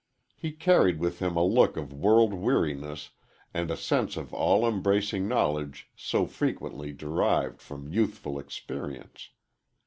He carried with him a look of world weariness and a sense of all embracing knowledge so frequently derived from youthful experience.